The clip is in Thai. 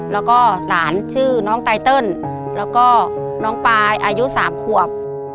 แล้วก็หลานชื่อน้องไตเติลแล้วก็น้องปายอายุ๓ขวบ